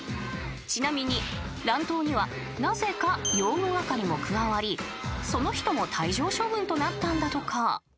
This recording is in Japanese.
［ちなみに乱闘にはなぜか用具係も加わりその人も退場処分となったんだとか］